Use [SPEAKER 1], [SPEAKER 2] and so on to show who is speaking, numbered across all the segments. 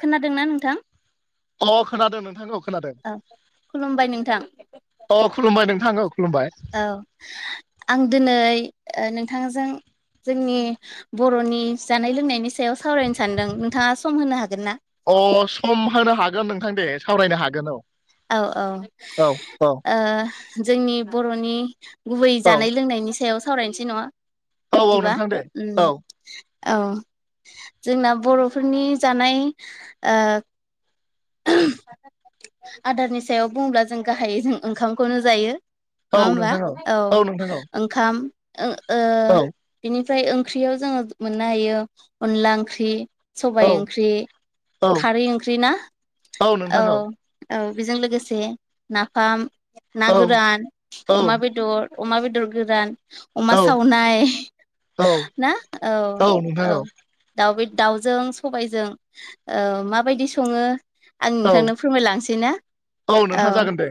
[SPEAKER 1] खोनादोंना नोंथां
[SPEAKER 2] अ खोनादों नोंथांखौ खोनादों
[SPEAKER 1] औ खुलुमबाय नोंथां
[SPEAKER 2] अ खुलुमबाय नोंथाङो खुलुमबाय।
[SPEAKER 1] औ आं दिनै ओ नोंथांजों जोंनि बर'नि जानाय लोंनायनि सायाव सावरायनो सानदों नोंथाङा सम होनो हागोन ना?
[SPEAKER 2] अ सम होनो हागोन नोंथां दे सावरायनो हागोन औ
[SPEAKER 1] औ औ
[SPEAKER 2] औ
[SPEAKER 1] ओ जोंनि बर'नि गुबै
[SPEAKER 2] औ
[SPEAKER 1] जानाय लोंनायनि सायाव सावरायनोसै नङा
[SPEAKER 2] औ
[SPEAKER 1] बिदिबा
[SPEAKER 2] नोंथां दे
[SPEAKER 1] उम
[SPEAKER 2] औ
[SPEAKER 1] औ जोंना बर'फोरनि जानाय ओ आदारनि सायाव बुङोब्ला जों गाहायै जों ओंखामखौनो जायो।
[SPEAKER 2] औ
[SPEAKER 1] नङा होमबा
[SPEAKER 2] नोंथां
[SPEAKER 1] औ
[SPEAKER 2] नोंथां औ
[SPEAKER 1] ओंखाम ओं ओ
[SPEAKER 2] औ
[SPEAKER 1] बिनिफ्राय ओंख्रियाव जोङो मोननो हायो अनला ओंख्रि।
[SPEAKER 2] औ
[SPEAKER 1] सबायाइ ओंख्रि
[SPEAKER 2] औ
[SPEAKER 1] खारै ओंख्रि ना? औ औ बेजों लोगोसे नाफाम ना
[SPEAKER 2] औ
[SPEAKER 1] गोरान
[SPEAKER 2] औ
[SPEAKER 1] अमा बेदर अमा बेदर गोरान। अमा
[SPEAKER 2] औ
[SPEAKER 1] सावनाय ना औ औ दाउ बे दाउजों सबायजों ओ माबायदि सङो? आं
[SPEAKER 2] औ
[SPEAKER 1] नोंथांनो फोरमायलांसै ना औ
[SPEAKER 2] नोंथां जागोन दे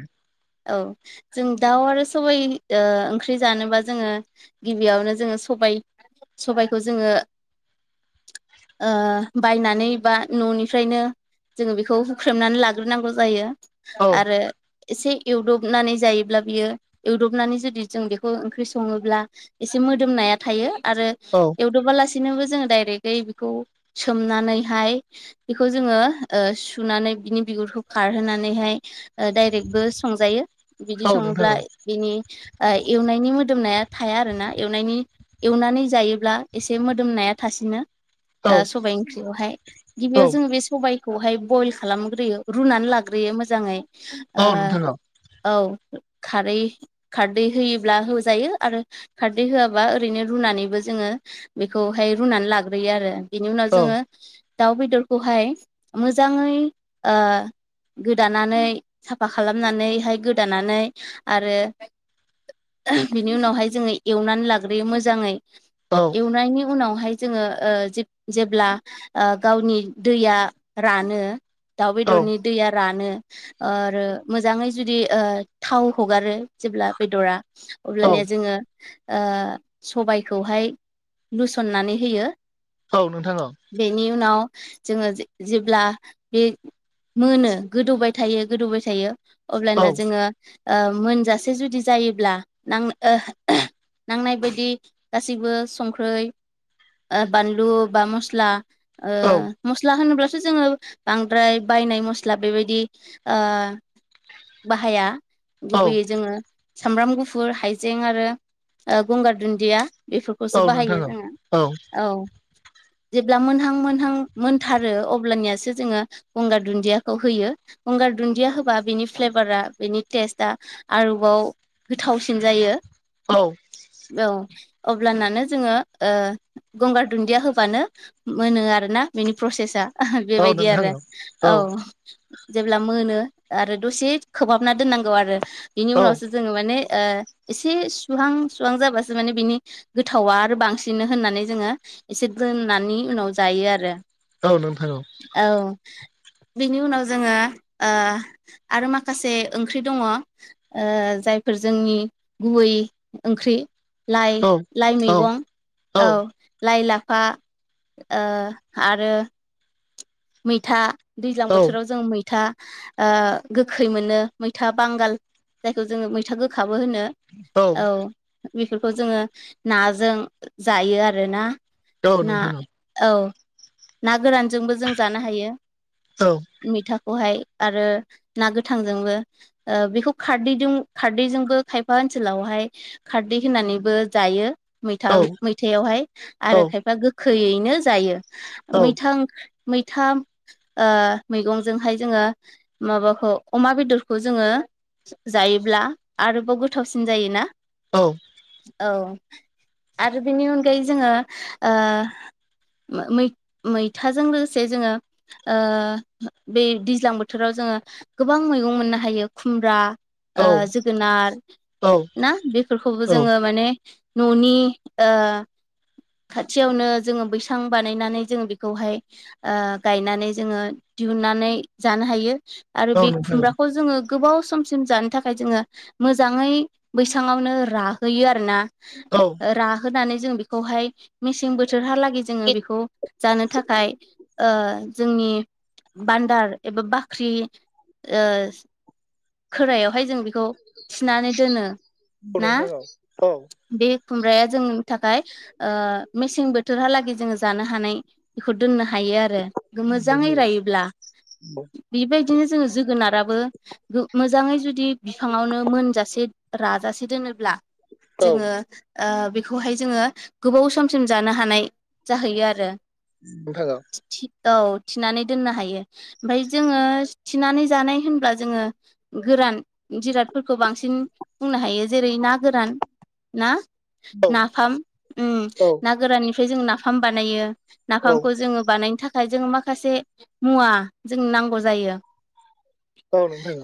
[SPEAKER 1] औ जों दाउ आरो सबाय ओंख्रि जानोबा जोङो गिबियावनो जोङो सबाय सबायखौ जोङो ओ बायनानै बा न'निफ्रायनो जोङो बेखौ हुख्रेमनानै लाग्रोनांगौ जायो
[SPEAKER 2] औ
[SPEAKER 1] आरो एसे एवदबनानै जायोब्ला बियो एवदबनानै जुदि जों बेखौ ओंख्रि सङोब्ला एसे मोदोमनाया थायो आरो
[SPEAKER 2] औ
[SPEAKER 1] गु्रुबा लासिनोबो जोङो डायरेक्टै बेखौ सोमनानैहाय बेखौ जोङो ओ सुनानै बिनि बिगुरखौ खारहोनानैहाय ओ डाइरेक्टबो संजायो। बिदि
[SPEAKER 2] औ नोंथां औ
[SPEAKER 1] सङोब्ला बिनि ओ एवनायनि मोदोमनाया थाया आरोना एवनायनि एवनानै जायोब्ला एसे मोदोमनाया थासिनो।
[SPEAKER 2] औ
[SPEAKER 1] ओ सबाय ओंख्रियावहाय
[SPEAKER 2] औ
[SPEAKER 1] गिबियाव जोङो बे सबाय खौहाय बयल खालामग्रोयो रुनानै लाग्रोयो मोजाङै
[SPEAKER 2] औ नोंथां औ
[SPEAKER 1] ओ औ खारै खारदै होयोब्ला होजायो आरो खारदै होआबा ओरैनो रुनानैबो जोङो बेखौहाय रुनानै लाग्रोयो आरो बिनि उनाव
[SPEAKER 2] औ
[SPEAKER 1] जोङो दाउ बेदरखौहाय मोजाङै ओ गोदानानै साफा खालामनानैहाय गोदानानै आरो बिनि उनावहाय जोङो एवनानै लाग्रोयो मोजाङै।
[SPEAKER 2] औ
[SPEAKER 1] एवनायनि उनावहाय जोङो ओ ओ जेब्ला गावनि दैया रानो दाउ
[SPEAKER 2] औ
[SPEAKER 1] बेदरनि दैया रानो ओ आरो मोजाङै जुदि ओ थाव हगारो जेब्ला बेदरा
[SPEAKER 2] औ
[SPEAKER 1] अब्लाानया जोङो ओ सबायखौहाय लुसननानै होयो।
[SPEAKER 2] औ नोंथां औ
[SPEAKER 1] बेनि उनाव जोङो जेब्ला बे मोनो गोदौबाय थायो गोदौबाय थायो अब्लाना
[SPEAKER 2] औ
[SPEAKER 1] जोङो मोनजासे जुदि जायोब्ला नां नांनाय बायदि गासैबो संख्रै ओ बानलु बा मस्ला ओ
[SPEAKER 2] औ औ
[SPEAKER 1] मस्ला होनोब्ला थ' जोङो बांद्राय बायनाय मस्ला बेबायदि ओ बाहाया
[SPEAKER 2] औ
[SPEAKER 1] गुबैयै जोङो सामब्राम गुफुर हाइजें आरो गंगार दुन्दिया बेफोरखौसो बाहायो
[SPEAKER 2] नोंथां औ
[SPEAKER 1] जोङो औ जेब्ला मोनहां मोनहां मोनथारो अब्लानियासो जोङो गंगार दुन्दियाखौ होयो गंगार दुन्दिया होबा बिनि फ्लेभारा बेनि टेस्टआ आरोबाव गोथावसिन जायो
[SPEAKER 2] औ
[SPEAKER 1] औ अब्लानानो जोङो ओ गंगार दुन्दिया होबानो मोनो आरोना बेनि प्रसेसा
[SPEAKER 2] औ
[SPEAKER 1] बेबायदि
[SPEAKER 2] नोंथां
[SPEAKER 1] आरो
[SPEAKER 2] औ
[SPEAKER 1] औ जेब्ला मोनो आरो दसे खोबहाबना दोननांगौ आरो बिनि
[SPEAKER 2] औ
[SPEAKER 1] उनावसो जोङो माने ओ एसे सुहां सुहां जाबासो माने बिनि गोथावा आरो बांसिनो होननानै जोङो एसे दोननानै उनाव जायो आरो
[SPEAKER 2] औ नोंथां औ
[SPEAKER 1] औ बिनि उनाव जोङो आरो माखासे ओंख्रि दङ ओ जायफोर जोंनि गुबै ओंख्रि लाइ
[SPEAKER 2] औ
[SPEAKER 1] लाइ
[SPEAKER 2] औ
[SPEAKER 1] मैगं औ लाइ लाफा ओ आरो मैथा दैज्लां
[SPEAKER 2] औ
[SPEAKER 1] बोथोराव जों मैथा ओ गोखै मोनो मैथा बांगाल जायखौ जोंङो मैथा गोखाबो होनो औ बेफोरखौ जोंङो नाजों जायो आरोना
[SPEAKER 2] औ
[SPEAKER 1] ना
[SPEAKER 2] नोंथां
[SPEAKER 1] औ ना गोरानजोंबो जों जानो हायो
[SPEAKER 2] औ
[SPEAKER 1] मिथाखौहाय आरो ना गोथांजोंबो ओ बेखौ खारदैजों खारदैजोंबो खायफा ओनसोलावहाय खारदै होननानैबो जायो मैथा
[SPEAKER 2] औ
[SPEAKER 1] मैथायावहाय
[SPEAKER 2] औ
[SPEAKER 1] आरो खायफा गोखैयैनो जायो
[SPEAKER 2] औ नोंथां
[SPEAKER 1] मैथा ओंख्रि मैथाम ओ मैगंजोंहाय जोङो माबाखौ अमा बेदरखौ जोङो जायोब्ला आरोबाव गोथावसिन जायोना
[SPEAKER 2] औ औ
[SPEAKER 1] औ आरो बेनि अनगायै जोङोै ओ मैथाजों लोगोसे जे जोङो ओ बे दैज्लां बोथोराव जोङो गोबां मैगं मोननो हायो खुमब्रा ओ जोगोनार ना बेफोरखौबो जोंङो माने न'नि ओ खाथियावनो जोंङो बैसां बानायनानै जोंङो बेखौहाय ओ गायनानै जोंङो दिहुननानै जानो हायो आरो बे
[SPEAKER 2] नोंथां औ नोंथां औ
[SPEAKER 1] खुमब्राखौ जोंङो गोबाव समसिम जानो थाखाय जोंङो मोजांङै बैसाङावनो राहोयो आरोना
[SPEAKER 2] औ
[SPEAKER 1] राहोनानै जों बेखौहाय मेसें बोथोरहालागै जोंङो बेखौ जानो थाखाय ओ जोंनि बान्दार एबा बाख्रि ओ खोरायावहाय जों बेखौ थिनानै दोनो ना
[SPEAKER 2] नोंथां औ नोंथां औ नोंथां औ औ
[SPEAKER 1] बे खुमब्राया जोंनि थाखाय ओ मेसें बोथोरहालागै जोंङो जानो हानाय बेखौ दोननो हायो हायो आरो मोजाङै
[SPEAKER 2] अ
[SPEAKER 1] रायोब्ला बेबायदिनो जोंङो जोगोनाराबो गो मोजांङै जुदि बिफाङावनो मोनजासे राजासे दोनोब्ला जोंङो ओ बेखौहाय जोंङो गोबाव समसिम जानो हानाय जाहैयो आरो
[SPEAKER 2] [unintelligible]
[SPEAKER 1] औ थिनानै दोननो हायो ओमफाय जोंङो थिनानै जानाय होनब्ला जोंङो गोरान जिरादफोरखौ बांसिन बुंनो हायो जेरै ना गोरान ना नाफाम ना गोराननिफ्राय जों नाफाम बानायो नाफामखौ जोंङो बानायनो थाखाय जोंङो माखासे मुवा जों नांगौ जायो।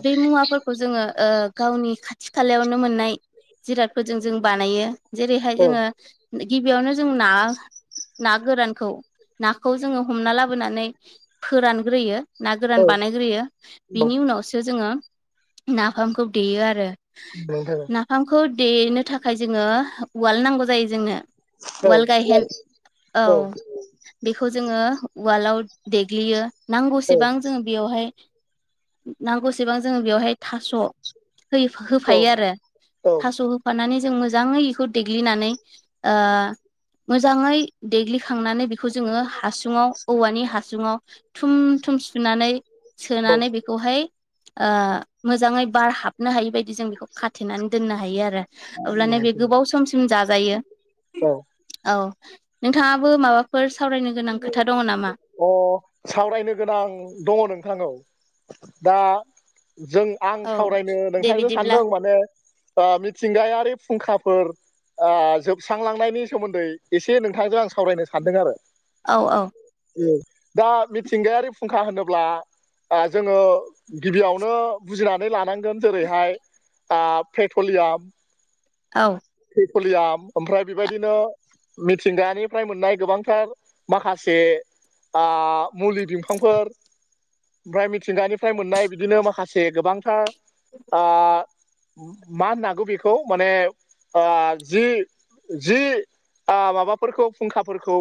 [SPEAKER 1] बेै मुवाफोरखौ खौ जोंङो गावनि खाथि खालायावनो मोननाय जिरादफोरजों जों बानायो। जेरैहाय जोंङो गिबियावनो जों ना ना गोरानखौ बे खौ जोंङो हमना लाबोनानै फोरानग्रोयो। ना गोरान बानायग्रोयो बिनि उनावसो जोंङो नाफामखौ देयो आरो
[SPEAKER 2] [unintelligible]
[SPEAKER 1] नाफामखौ देनो थाखाय जोंङो उवाल नांगौ जायो जोंनो उवाल गायहेन औ। बेखौ जोंङो वाल्दाव देग्लियो नांगौसेबां जोंङो बेयावहाय नांगौसेबां जोंङो बेवहाय थास' हो होफायो आरो थास' हो हफानानै जों मोजांङै बेखौ देग्लिनानै मोजांङै देग्लिखांनानै बेखौ जोंङो हासुङाव औवानि हासुङाव थुम थुम सुनानै सोनानै बेखौहाय मोजाङै बार हाबनो हायि बायदि जों बेखौ खौ खाथेनानै दोननो हायो आरो अब्लानो बे गोबाव समसिम जायो। औ नोंथाङाबो माबाफोर सावरायनो गोनां खोथा दङ नामा?
[SPEAKER 2] अ सावरायनो गोनां दङ नोंथां औ दा जों आं
[SPEAKER 1] औ
[SPEAKER 2] सावरायनो
[SPEAKER 1] दे
[SPEAKER 2] नोंथांजों
[SPEAKER 1] बिदिब्ला
[SPEAKER 2] सानदों माने मिथिंगायारि फुंखाफोर जोबस्रांलांनायनि सोमोन्दै एसे नोंथांजों आं सावरायनो सानदों आरो
[SPEAKER 1] औ औ।
[SPEAKER 2] ए दा मिथिंगायारि फुंखा होनोब्ला जोंङो गिबियावनो बुजिनानै लानांगोन जेरैहाय आ पेट्रलियाम
[SPEAKER 1] औ।
[SPEAKER 2] पेट्रलियाम ओमफ्राय बेबायदिनो मिथिंगानिफ्राय मोननाय गोबांथार माखासे मुलि बिफांफोर ओमफ्राय मिथिंगानिफ्राय मोननाय बिदिनो माखासे गोबांथार मा होननोागौ बेखौ माने जि जि माबाफोरखौ फुंखाफोरखौ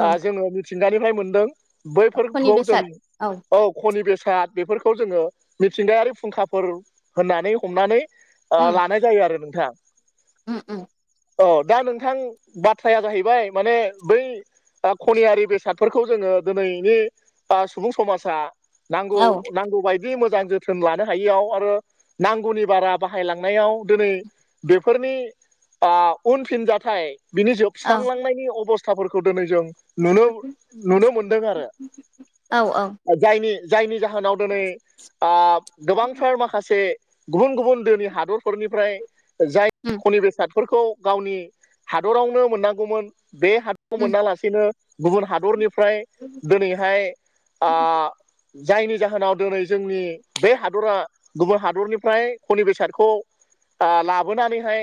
[SPEAKER 1] औ
[SPEAKER 2] जोङो मिथिंगानिफ्राय मोनदों
[SPEAKER 1] खनि
[SPEAKER 2] बैफोरखौ जों
[SPEAKER 1] बेसाद
[SPEAKER 2] औ हनि बेसाद बेफोरखौ जोङो मिथिंगायारि फुंखाफोर होननानै हमनानै
[SPEAKER 1] उम
[SPEAKER 2] लानाय जायो आरो नोंथां।
[SPEAKER 1] उम उम।
[SPEAKER 2] अ दा नोंथां बाथ्राया जाहैबाय माने बै खनियारि बेसादफोरखौ जोङो दिनैनि सुबुं समाजा नांगौ
[SPEAKER 1] औ
[SPEAKER 2] नांगौ बाय बिदि मोजां जोथोन लानो हायियाव आरो नांगौनि बारा बाहायलांनायाव दिनै बेफोरनि उनफिनजाथाय बिनि
[SPEAKER 1] औ
[SPEAKER 2] जोबस्रांलांनायनि अबस्थाफोरखौ दिनै जों नुनो नुनो मोनदों
[SPEAKER 1] औ औ
[SPEAKER 2] आरो जायनि जायनि जाहोनाव दिनै
[SPEAKER 1] उम
[SPEAKER 2] गोबांथार माखासे गुबुन गुबुन दोनि हादरफोरनिफ्राय जाय
[SPEAKER 1] उम
[SPEAKER 2] खनि बेसाद फोरखौ गावनि हादरावनो मोननांगौमोन बे हादराव मोनालासेनो गुबुन हादरनिफ्राय दिनैहाय जायनि जाहोनाव दिनै जोंनि बे हादरा गुबुन हादरनिफ्राय खनि बेसादखौ लाबोनानैहाय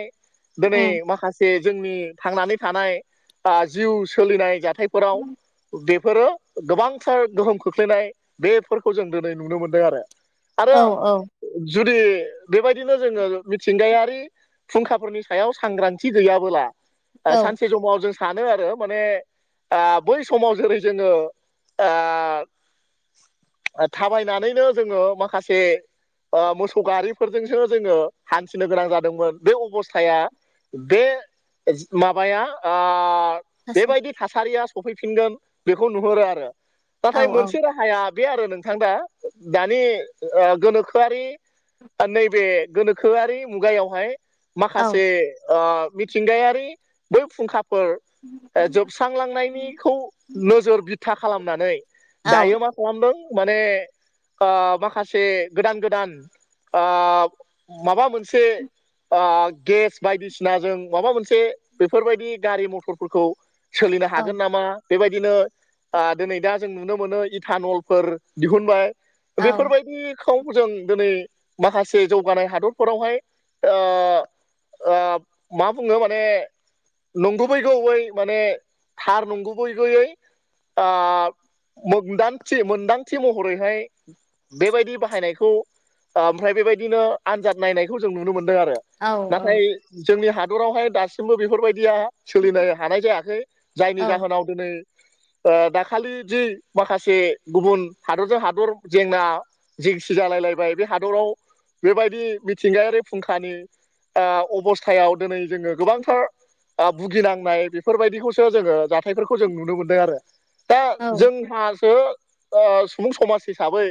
[SPEAKER 2] दिनै
[SPEAKER 1] उम
[SPEAKER 2] माखासे जोंनि थांनानै थानाय जिउ सोलिनाय जाथाय फोराव बेफोरो गोबांथार गोहोम खोख्लैनाय बेफोरखौ जों दिनै नुनो मोन्दों आरो आरो
[SPEAKER 1] औ
[SPEAKER 2] जुदि बेबायदिनो जोङो मिथिंगायारि फुंखाफोरनि सायाव सांग्रांथि गैयाबोला
[SPEAKER 1] औ
[SPEAKER 2] सानसे समाव जों सानो आरो माने। ओ बै समाव जेरै जोङो। थाबायनानैनो जोङो माखासे। मोसौ गारिफोरजोंसो जोङो हान्थिनो गोनां जादोंमोन बे अबस्थाया। बे माबाया
[SPEAKER 1] औ
[SPEAKER 2] बेबायदि थासारिया सफैफिनगोन बेखौ नुहुरो आरो
[SPEAKER 1] औ
[SPEAKER 2] नाथाय मोनसे र या बे आरो नोंथां दा दानि गोनोखोआरि नैबे गोनोखोआरि मुगायावहाय।
[SPEAKER 1] औ
[SPEAKER 2] माखासे मिथिंगायारि बै फुंखाफोर ज स्रांलांनायनिखौ नोजोर बिथा खालामनानै
[SPEAKER 1] औ
[SPEAKER 2] दायो मा। खालामदों माने माखासे गोदान गोदान। माबा मोनसे। गेस बायदिसिना जों माबा मोनसे बेफोरबायदि गारि मथरफोरखौ। सोलिनो
[SPEAKER 1] औ
[SPEAKER 2] हागोन नामा बेबायदिनो दिनै दा जों नुनो मोनो इटानल फोर दिहुनबाय बेफोर बायदि खौ जों दिनै माखासे जौगानाय हादरफोरावहाय मा बुङो माने नंगुबै गुबै माने थार नंगुबैयै मोनदांथि मोनदांथि महरैहाय बेबायदि बाहायनायखौ ओमफ्राय बेबायदिनो आनजाद नायनायखौ जों नुनो मोनदों आरो
[SPEAKER 1] औ
[SPEAKER 2] नाथाय जोंनि हादरावहाय दासिमबो बेफोर बायदिया सोलिनो हानाय जायाखै
[SPEAKER 1] औ
[SPEAKER 2] जायनि
[SPEAKER 1] औ
[SPEAKER 2] जाहोनाव दिनै दाखालि जि माखासे गुबुन हादरजों हादर जेंना जिंसि जालायलायबाय बे हादराव बेबायदि मिथिंगायारि फुंखानि। अबस्थायाव दिनै जोङो गोबांथार भुगिनांनाय बेफोरबायदिखौसो जोङो जाथायफोरखौ जों नुनो मोनदों आरो। दा जोंहासो सुबुं समाज हिसाबै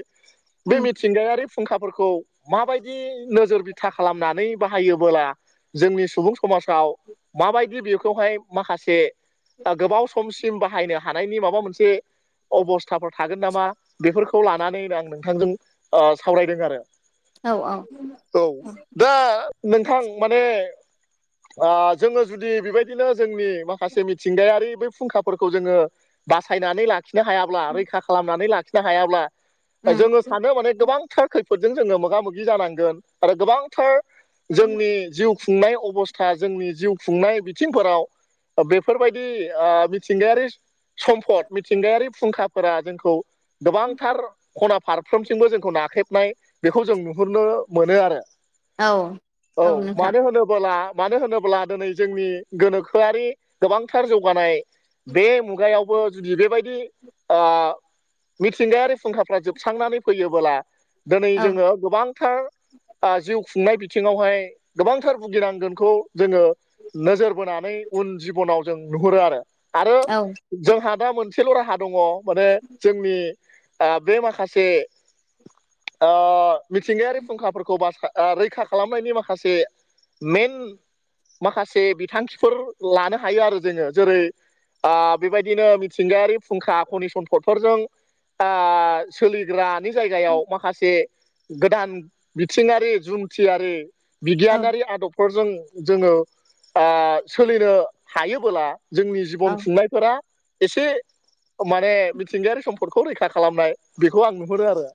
[SPEAKER 2] बे
[SPEAKER 1] उम
[SPEAKER 2] मि सिंगायारि फुंखाफोरखौ माबायदि नोजोर बिथा खालामनानै बाहायोबोला। जोंनि सुबुं समाजाव माबायदि बेखौहाय माखासे। गोबाव समसिम बाहायनो हानायनि माबा मोनसे। अबस्थाफोर थागोन नामा बेफोरखौ लानानै आं नोंथांजों सावरायदों आरो।
[SPEAKER 1] औ औ।
[SPEAKER 2] औ दा नोंथां माने। जोङो जुदि बेबायदिनो जोंनि माखासे थिंगायारि बै फुंखाफोरखौ जोङो बासायनानै लाखिनो हायाब्ला रैखा खालामनानै लाखि। हाब्ला जोङो
[SPEAKER 1] उम
[SPEAKER 2] सानो माने गोबांथार ख फोरजों जोङो मोगा मोगि जानांगोन आरो गोबांथार जोंनि जिउ। खुंनाय अबस्था जोंनि जिउ खुंनाय बिथिंफोराव बे बेफोरबायदि मिथिंगायारि सम्फद मिथिंगायारि फुंखाफोरा जोंखौ। गोबांथार खना फारफ्रोमसिमबो जोंखौ नाख्रेबनाय बेखौ जों नुहुरनो मोनो आरो।
[SPEAKER 1] औ
[SPEAKER 2] औ
[SPEAKER 1] नोंथां
[SPEAKER 2] मानो होनोबोला मानो होनोब्ला दिनै जोंनि गोनोखोआरि गोबांथार जौगानाय। बे मुगायावबो जुदि बेबायदि। मिथिंगायारि फुंखाफ्रा जोबस्रांनानै फैयोबोला दिनै
[SPEAKER 1] औ
[SPEAKER 2] जोङो। गोबांथार जिउ खुंनाय बिथिङावहाय गोबांथार भुगिनांगोनखौ जोङो। नोजोर बोनानै उन जिबनाव जों नुहुरो आरो आरो।
[SPEAKER 1] औ।
[SPEAKER 2] जोंहा दा मोनसेल' राहा दङ माने जोंनि ओ बे माखासे ओ मिथिंगाआरि फुंखाफोरखौ बा रैखा खालामनायनि माखासे मेन माखासे बिथांखिफोर लानो हायो आरो जोङो जेरै ओ बेबायदिनो मिथिंगायारि फुंखा पनि सम्दफोर जों ओ सोलिग्रानि जायगायाव माखासे गोदान बिथिंआरि जुन्थिआरि बिगियानारि आदबफोरजों जोङो ओ सोलिनो हायोबोला जोंनि
[SPEAKER 1] औ
[SPEAKER 2] जिबन
[SPEAKER 1] औ
[SPEAKER 2] खुंनायफोरा एसे माने मिथिंगाआरि सम्पदखौ रैखा खालामनाय बेखौ आं नुहोरो आरो